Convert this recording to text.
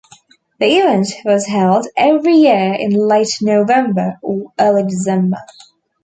The event was held every year in late November or early December.